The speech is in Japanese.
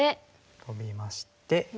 トビまして。